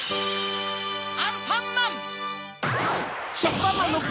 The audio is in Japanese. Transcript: アンパンマン‼えい！